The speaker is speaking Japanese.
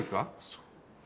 そう。